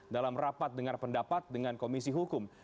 dalam rapat dengar pendapat dengan komisi hukum